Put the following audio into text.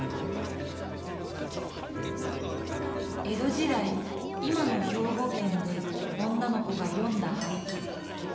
江戸時代今の兵庫県で女の子がよんだ俳句。